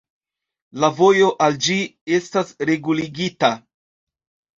La vojo al ĝi estas reguligita.